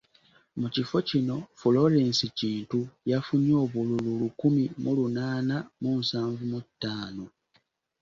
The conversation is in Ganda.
Mu kifo kino Florence Kintu yafunye obululu lukumi mu lunaana mu nsanvu mu ttaano